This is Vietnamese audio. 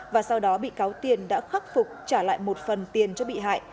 và sau đó bị cáo tiền đã khắc phục trả lại một phần tiền cho bị hại